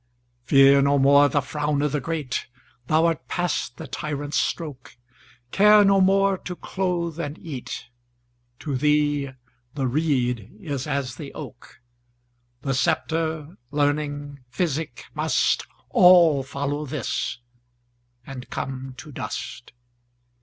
Fear no more the frown o' the great, Thou art past the tyrant's stroke; Care no more to clothe and eat; To thee the reed is as the oak:The sceptre, learning, physic, mustAll follow this, and come to dust.